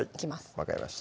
分かりました